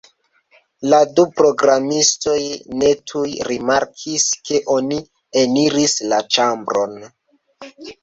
La du programistoj ne tuj rimarkis, ke oni eniris la ĉambron.